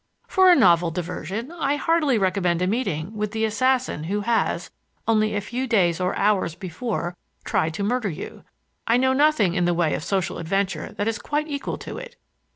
For a novel diversion I heartily recommend a meeting with the assassin who has, only a few days or hours before, tried to murder you. I know of nothing in the way of social adventure that is quite equal to it.